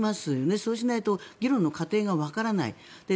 そうしないと議論の過程がわからない。